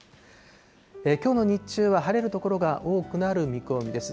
きょうの日中は晴れる所が多くなる見込みです。